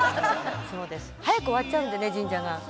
「早く終わっちゃうんでね神社が」